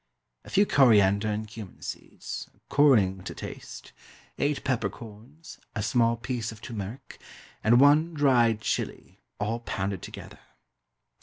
A few coriander and cumin seeds according to taste eight peppercorns, a small piece of turmeric, and one dried chili, all pounded together.